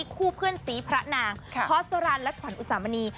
คู่เพื่อนสีพระนางพอสรรและขวัญอุสามณี